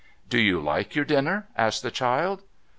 ' Do you like your dinner ?' asked the child.